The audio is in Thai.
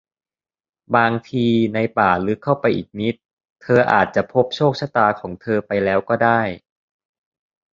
บางที ในป่าลึกเข้าไปอีกนิด เธออาจจะพบโชคชะตาของเธอไปแล้วก็ได้